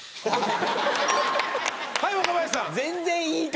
はい若林さん。